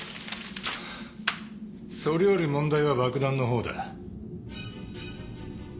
それより問題は爆弾のほうだ。